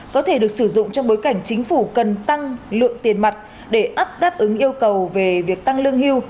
có thể được sử dụng trong bối cảnh chính phủ cần tăng lượng tiền mặt để áp đáp ứng yêu cầu về việc tăng lương hưu